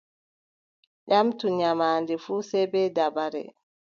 Ƴamtu nyaamaande fuu sey bee dabare.